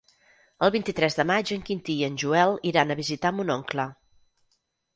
El vint-i-tres de maig en Quintí i en Joel iran a visitar mon oncle.